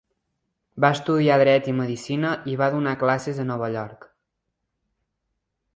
Va estudiar dret i medicina, i va donar classes a Nova York.